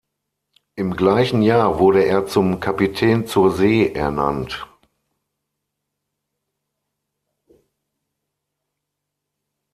Im gleichen Jahr wurde er zum Kapitän zur See ernannt.